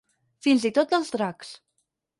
Fins i tot dels dracs.